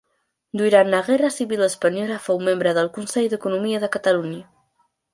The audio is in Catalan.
Durant la guerra civil espanyola fou membre del Consell d'Economia de Catalunya.